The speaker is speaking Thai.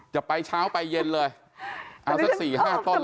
จะไปเช้าไปเย็นเลยเอาสักสี่ห้าต้นแล้วกลับบ้าน